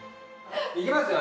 行きますよ。